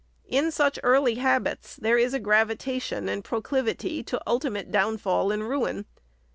In such early habits, there is a gravitation and proclivity to ultimate downfall and ruin.